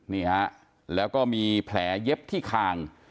นี่ฮะแล้วก็มีแผลเย็บที่คาง